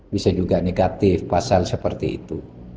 bisa juga negatif pasal seperti itu